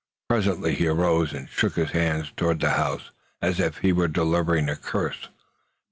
Presently he arose and shook his hand towards the house, as if he were delivering a curse.